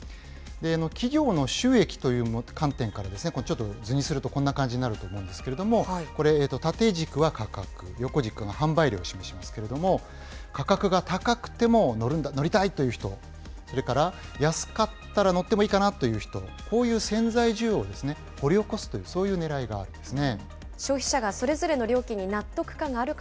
企業の収益という観点からちょっと図にするとこんな感じになると思うんですけれども、これ、縦軸は価格、横軸は販売量を示しますけれども、価格が高くても乗りたいという人、それから安かったら乗ってもいいかなという人、こういう潜在需要を掘り起こすという、そういうねらいがあるんですね。